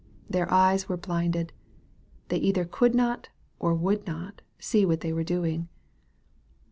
Their eyes were blinded. They either could not, or would not, see what they were doing.